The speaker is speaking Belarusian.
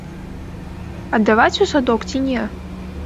Аддаваць у садок ці не?